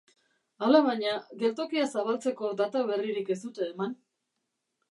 Alabaina, geltokia zabaltzeko data berririk ez dute eman.